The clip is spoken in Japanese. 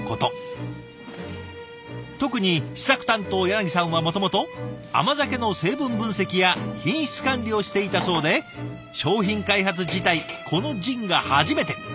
特に試作担当さんはもともと甘酒の成分分析や品質管理をしていたそうで商品開発自体このジンが初めて。